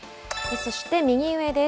そして、右上です。